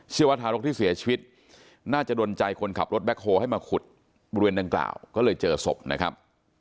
ว่าทารกที่เสียชีวิตน่าจะโดนใจคนขับรถแบ็คโฮลให้มาขุดบริเวณดังกล่าวก็เลยเจอศพนะครับ